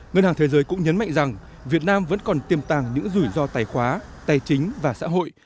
ngân hàng thế giới cũng nhấn mạnh rằng việt nam vẫn còn tiềm tàng những rủi ro tài khóa tài chính và xã hội